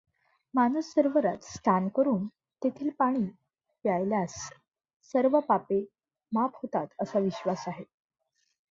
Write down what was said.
मानस सरोवरात स्नान करून तेथील पाणी प्यायल्यास सर्व पापे माफ होतात असा विश्वास आहे.